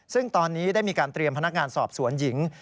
ซึ่งตอนนี้ได้มีการเตรียมพนักงานสอบสวนหญิง